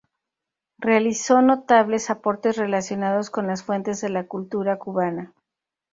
Realizó notables aportes relacionados con las fuentes de la cultura cubana.